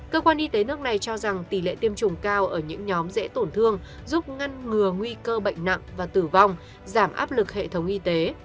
cơ quan y tế nước này cho rằng tỷ lệ tiêm chủng cao ở những nhóm dễ tổn thương giúp ngăn ngừa nguy cơ bệnh nặng và tử vong giảm áp lực hệ thống y tế